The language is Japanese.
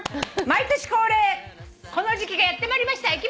毎年恒例この時期がやってまいりました。